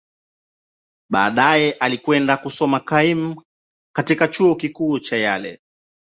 Baadaye, alikwenda kusoma kaimu katika Chuo Kikuu cha Yale.